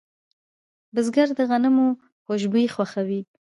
بزګر د غنمو خوشبو خوښوي